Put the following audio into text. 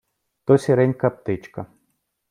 То сіренька птичка.